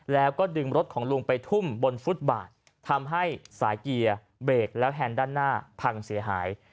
แล้วก็ดึงรถของลุงไปทุ่มบนฟุตบาททำให้สายเกียร์เบรกแล้วแฮนด์ด้านหน้าพังเสียหาย